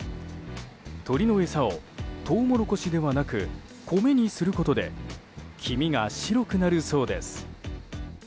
鶏の餌をトウモロコシではなく米にすることで黄身が白くなるそうです。